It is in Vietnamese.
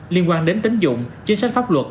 liên quan đến tính dụng chính sách pháp luật